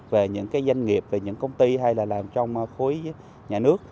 về những doanh nghiệp về những công ty hay là làm trong khối nhà nước